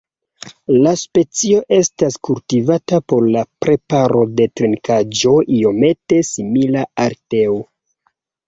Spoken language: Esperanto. La specio estas kultivata por la preparo de trinkaĵo iomete simila al teo.